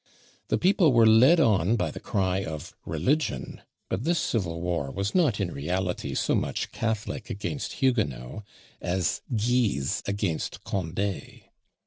The people were led on by the cry of "religion;" but this civil war was not in reality so much Catholic against Huguenot, as Guise against Condé.